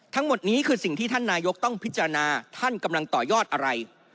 ทั้งหมดนี้คือสิ่งที่ท่านนายกต้องพิจารณาท่านกำลังต่อยอดอะไร